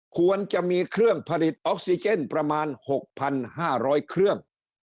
ควรจะมีเครื่องผลิตออกซีเจนประมาณหกพันห้าร้อยเครื่อง